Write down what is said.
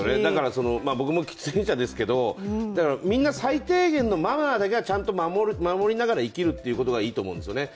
僕も喫煙者ですけど、みんな最低限のマナーだけはちゃんと守りながら生きるっていうのがいいと思うんですよね。